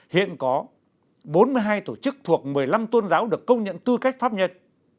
hiện có bốn mươi hai tổ chức thuộc một mươi năm tôn giáo được công nhận tư cách pháp nhân